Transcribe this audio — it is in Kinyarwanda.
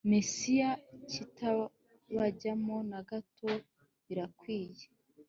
Mesiya kitabajyamo na gato Birakwiriye